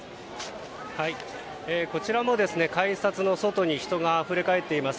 こちらも改札の外に人があふれかえっています。